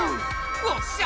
おっしゃ！